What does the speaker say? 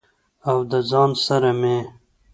او د ځان سره مې